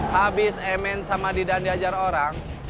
habis emen sama didan diajar orang